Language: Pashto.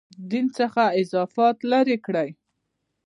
دین څخه اضافات لرې کړي.